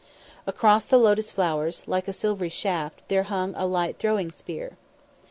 Across the lotus flowers, like a silver shaft, there hung a light throwing spear.